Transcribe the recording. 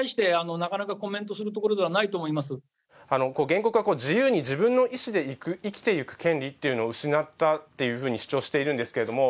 原告は自由に自分の意思で生きていく権利を失ったというふうに主張しているんですけれども。